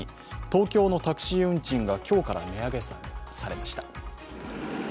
東京のタクシー運賃が今日から値上げされました。